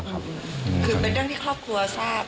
คือเป็นเรื่องที่ครอบครัวทราบ